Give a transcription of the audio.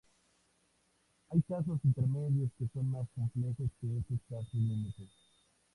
Hay casos intermedios que son más complejos que estos casos límite.